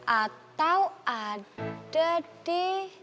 atau ada di